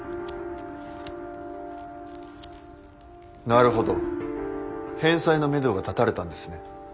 なるほど返済のめどが立たれたんですね。